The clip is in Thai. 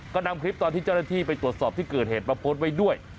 ก็นำคลิปตอนที่เจ้าหน้าที่ไปตรวจสอบที่เกิดเหตุมาโพสต์ไว้ด้วย